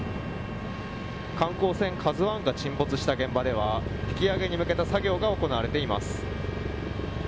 観光船「ＫＡＺＵ１」が沈没した現場では引き揚げに向けた作業が行われています。